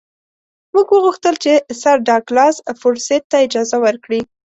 موږ وغوښتل چې سر ډاګلاس فورسیت ته اجازه ورکړي.